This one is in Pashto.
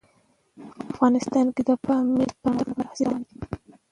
افغانستان کې د پامیر د پرمختګ لپاره هڅې روانې دي.